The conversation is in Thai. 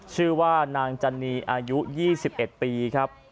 ชื่อว่านางจันนีอายุ๒๑ปีครับ